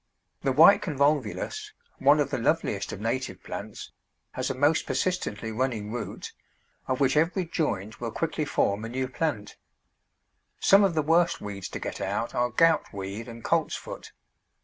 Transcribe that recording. The white Convolvulus, one of the loveliest of native plants, has a most persistently running root, of which every joint will quickly form a new plant. Some of the worst weeds to get out are Goutweed and Coltsfoot.